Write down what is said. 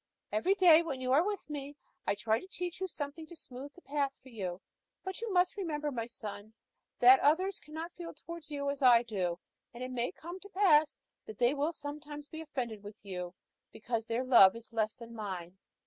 Every day when you are with me I try to teach you something, to smooth the path for you; but you must remember, my son, that others cannot feel towards you as I do, and it may come to pass that they will sometimes be offended with you, because their love is less than mine."